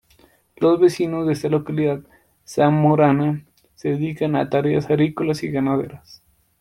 Los vecinos de esta localidad zamorana se dedican a tareas agrícolas y ganaderas.